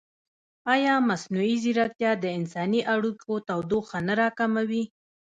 ایا مصنوعي ځیرکتیا د انساني اړیکو تودوخه نه راکموي؟